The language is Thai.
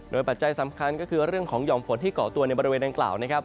ปัจจัยสำคัญก็คือเรื่องของห่อมฝนที่เกาะตัวในบริเวณดังกล่าวนะครับ